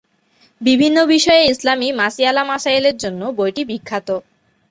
বিভিন্ন বিষয়ে ইসলামী মাসয়ালা-মাসাইলের জন্য বইটি বিখ্যাত।